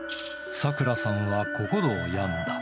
サクラさんは心を病んだ。